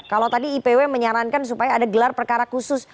kalau tadi ipw menyarankan supaya ada gelar perkara khusus